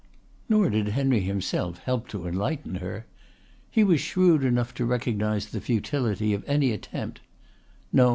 Nor did Henry himself help to enlighten her. He was shrewd enough to recognise the futility of any attempt. No!